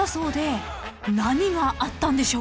［何があったんでしょうか？］